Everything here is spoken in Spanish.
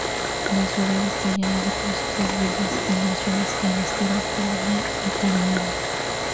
La ciudad está llena de preciosas villas y mansiones en estilo "colonial italiano".